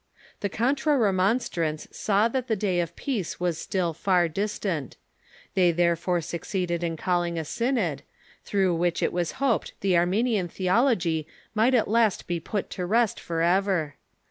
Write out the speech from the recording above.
The Contra Remonstrants saw that the day of peace was still far distant. They therefore succeeded in calling a synod, through which it was hoped the Arminian theology The Synod j^^jo ht at last be put to rest forever.